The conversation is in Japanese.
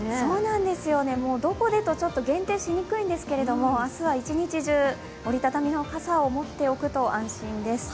どこでとちょっと限定しにくいんですけど、明日は一日中、折り畳みの傘を持っておくと安心です。